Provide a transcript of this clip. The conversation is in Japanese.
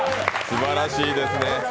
すばらしいですね。